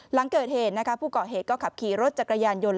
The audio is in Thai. หลังเกิดเหตุผู้ก่อเหตุก็ขับขี่รถจักรยานยนต์